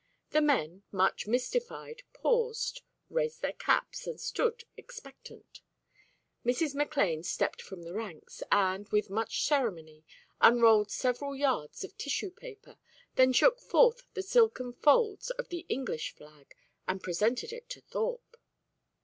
The men, much mystified, paused, raised their caps, and stood expectant. Mrs. McLane stepped from the ranks, and, with much ceremony, unrolled several yards of tissue paper, then shook forth the silken folds of the English flag, and presented it to Thorpe.